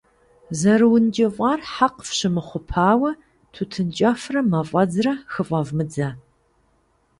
ЗэрыункӀыфӀар хьэкъ фщымыхъупауэ тутын кӀэфрэ мафӀэдзрэ хыфӀэвмыдзэ.